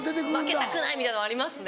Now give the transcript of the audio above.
負けたくないみたいのありますね。